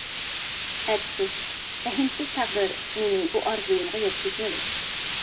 ئەپسۇس، رەھىمسىز تەقدىر مېنى بۇ ئارزۇيۇمغا يەتكۈزمىدى.